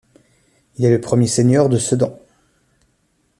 Il est le premier Seigneur de Sedan.